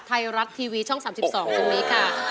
ไทยรัฐทีวีช่อง๓๒ตรงนี้ค่ะ